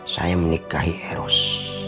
saya menikahi eros